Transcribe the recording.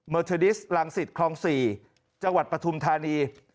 เมอร์เทอดิสต์หลังศิษย์ครอง๔จปฐุมธานี